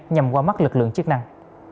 nhằm qua mắt lực lượng chức năng